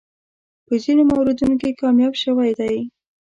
په ځینو موردونو کې کامیاب شوی دی.